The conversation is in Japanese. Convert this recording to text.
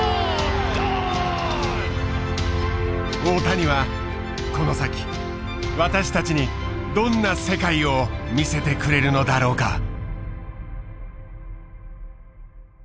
大谷はこの先私たちにどんな世界を見せてくれるのだろうか。